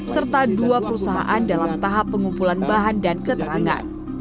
serta dua perusahaan dalam tahap pengumpulan bahan dan keterangan